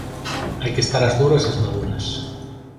Hai que estar ás duras e ás maduras